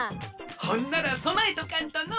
ほんならそなえとかんとの！